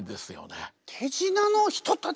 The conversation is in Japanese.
手品の人たち。